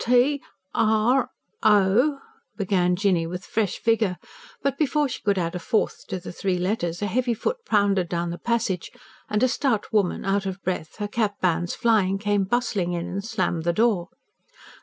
T r o " began Jinny with fresh vigour. But before she could add a fourth to the three letters, a heavy foot pounded down the passage, and a stout woman, out of breath, her cap bands flying, came bustling in and slammed the door.